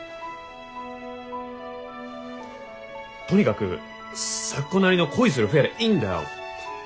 とにかく咲子なりの「恋するフェア」でいいんだよ。